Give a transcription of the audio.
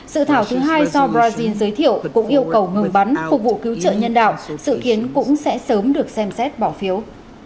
sự thảo thứ hai do brazil giới thiệu cũng yêu cầu ngừng bắn phục vụ cứu trợ nhân đạo dự kiến cũng sẽ sớm được xem xét bỏ phiếu